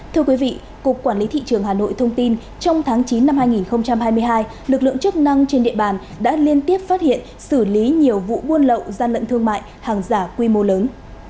thưa quý vị cục quản lý thị trường hà nội thông tin trong tháng chín năm hai nghìn hai mươi hai lực lượng chức năng trên địa bàn đã liên tiếp phát hiện xử lý nhiều vụ buôn lậu gian lận thương mại hàng giả quy mô lớn